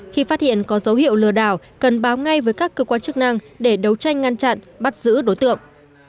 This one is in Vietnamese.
khi phát hiện có dấu hiệu lừa đảo cần báo ngay với các cơ quan chức năng để đấu tranh ngăn chặn bắt giữ đối tượng